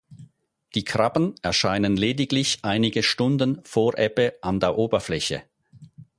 Die Krabben erscheinen lediglich einige Stunden vor Ebbe an der Oberfläche.